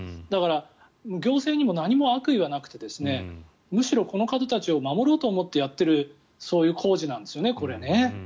だから、行政にも何も悪意はなくてむしろこの方たちを守ろうと思ってやっている工事なんですよね。